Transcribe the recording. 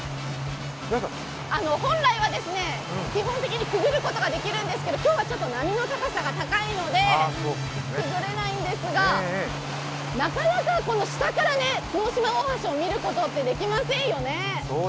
本来は、基本的にくぐることができるんですけれども今日は波の高さが高いのでくぐれないんですが、なかなか下から角島大橋を見ることってできませんよね。